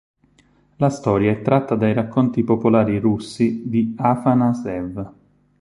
La storia è tratta dai racconti popolari russi di Afanas'ev.